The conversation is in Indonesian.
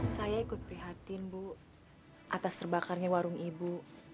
saya ikut prihatin bu atas terbakarnya warung ibu